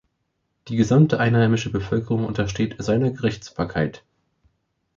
Die gesamte einheimische Bevölkerung untersteht seiner Gerichtsbarkeit.